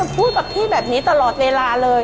การที่บูชาเทพสามองค์มันทำให้ร้านประสบความสำเร็จ